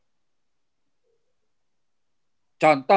ini gue udah kabar juga sama si garo caripytro